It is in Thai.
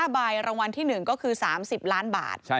ใบรางวัลที่๑ก็คือ๓๐ล้านบาท